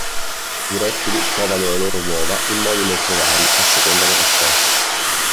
I rettili covano le loro uova in modi molto vari a seconda della specie.